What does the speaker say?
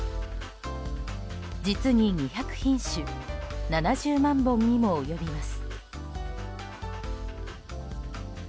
実に２００品種７０万本にも及びます。